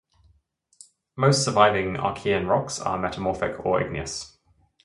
Most surviving Archean rocks are metamorphic or igneous.